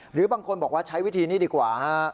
หรือบางคนบอกว่าใช้วิธีนี้ดีกว่าฮะ